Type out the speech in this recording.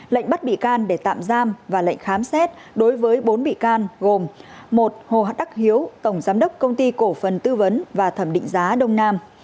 lệnh bắt bị can để tạm giam và lệnh khám xét đối với bốn bị can gồm một hồ đắc hiếu tổng giám đốc công ty cổ phần tư vấn và thẩm định giá đông nam